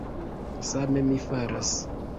Same mi faras.